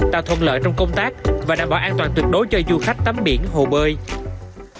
tạo thuận lợi trong công tác và đảm bảo an toàn tuyệt đối cho du khách tắm biển hồ bơi